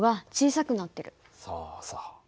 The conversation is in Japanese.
そうそう。